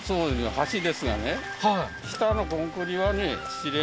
橋ですがね